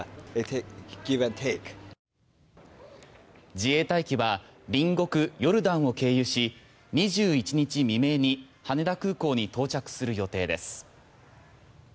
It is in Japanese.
自衛隊機は隣国ヨルダンを経由し２１日未明に羽田空港に到着する予定です。